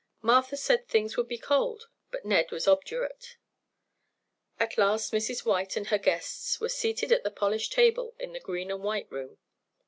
Martha said things would be cold, but Ned was obdurate. At last Mrs. White and her guests were seated at the polished table in the green and white room.